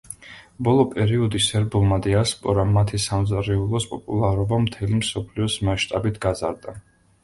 ბოლო პერიოდი სერბულმა დიასპორამ მათი სამზარეულოს პოპულარობა მთელი მსოფლიოს მასშტაბით გაზარდა.